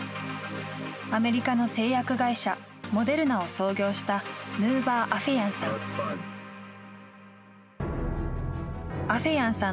アメリカの製薬会社モデルナを創業したヌーバー・アフェヤンさん。